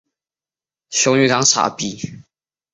劳动群众。